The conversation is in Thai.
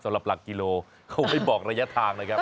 หลักกิโลเขาไม่บอกระยะทางนะครับ